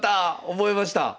覚えました！